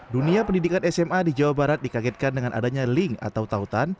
dunia pendidikan sma di jawa barat dikagetkan dengan adanya link atau tautan